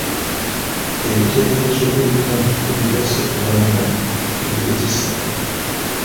Ebiteeberezo ebimu tebigasa kubanga tebigezeseka.